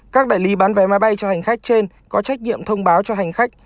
các đại lý bán vé máy bay cho hành khách trên có trách nhiệm thông báo cho hành khách